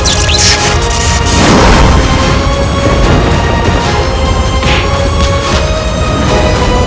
aku akan menangkapmu